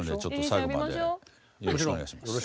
最後までよろしくお願いします。